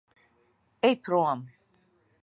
Ej prom.